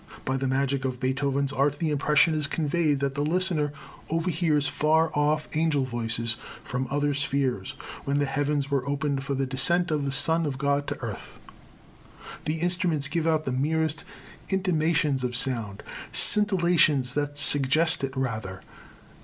By the magic of Beethoven's art the impression is conveyed that the listener overhears far off angel voices from other spheres, when the heavens were opened for the descent of the Son of God to earth. The instruments give out the merest intimations of sound, scintillations that suggest it rather.